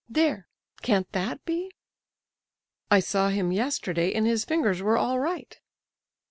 —There! Can't that be?" "I saw him yesterday, and his fingers were all right!"